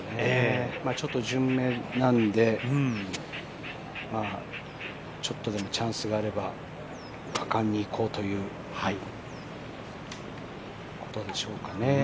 ちょっと順目なのでちょっとでもチャンスがあれば果敢にいこうということでしょうかね。